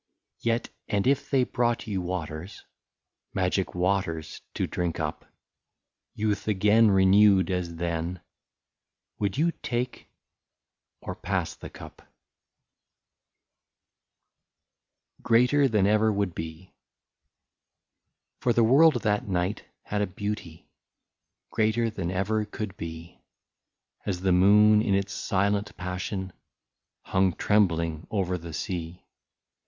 58 Yet, and if they brought you waters, Magic waters to drink up, — Youth again, renewed as then — Would you take or pass the cup ? 59 GREATER THAN EVER COULD BE. For the world that night had a beauty, Greater than ever could be, As the moon in its silent passion Hung trembling over the sea.